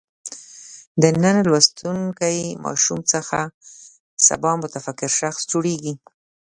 د نن لوستونکی ماشوم څخه سبا متفکر شخص جوړېږي.